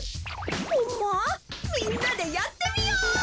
みんなでやってみよう！